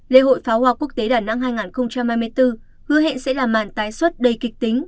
lễ hội pháo hoa quốc tế đà nẵng hai nghìn hai mươi bốn hứa hẹn sẽ là màn tái xuất đầy kịch tính